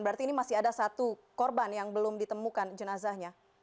berarti ini masih ada satu korban yang belum ditemukan jenazahnya